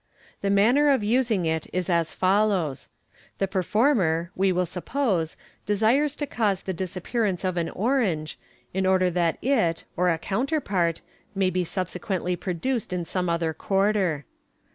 The manner of using it is as follows :— The perform er, we will suppose, desires to cause the disappearance of an orange, in order that it (or a counterpart) may be subse quently produced in some other quarter.